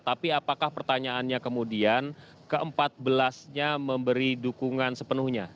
tapi apakah pertanyaannya kemudian ke empat belas nya memberi dukungan sepenuhnya